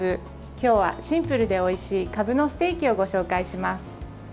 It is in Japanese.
今日はシンプルでおいしいかぶのステーキをご紹介します。